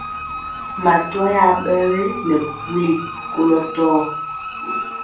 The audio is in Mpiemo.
Matwa ya ɓɛ ge nɛ puli kolɔ tɔɔ.